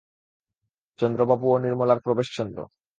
চন্দ্রবাবু ও নির্মলার প্রবেশ চন্দ্র।